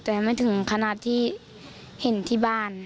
แต่ไม่ถึงขนาดที่เห็นที่บ้าน